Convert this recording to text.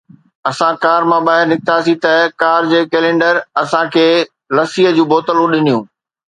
اسان ڪار مان ٻاهر نڪتاسين ته ڪار جي ڪئلينڊر اسان کي لسي جون ٽي بوتلون ڏنيون.